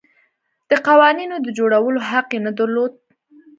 د قوانینو د جوړولو حق یې نه درلود.